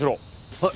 はい。